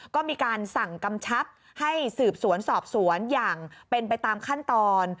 ก็มีการสั่งกำชับให้สืบสวนสอบสวนอย่างเป็นไปตามขั้นตอน